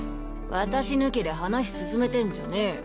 私抜きで話進めてんじゃねぇよ。